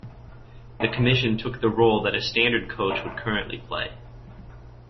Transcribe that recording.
The Commission took the role that a standard coach would currently play.